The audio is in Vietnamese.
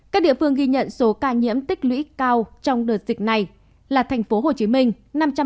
các địa phương ghi nhận số ca nhiễm tích lũy cao trong đợt dịch này là tp hcm năm trăm linh sáu chín trăm linh hai ca